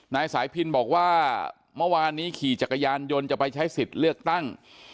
นายสายพินบอกว่าเมื่อวานนี้ขี่จักรยานยนต์จะไปใช้สิทธิ์เลือกตั้ง